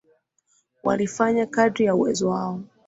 Walifanya kadri ya uwezo wao